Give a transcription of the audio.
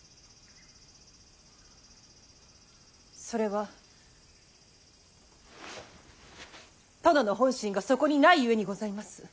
それは殿の本心がそこにないゆえにございます。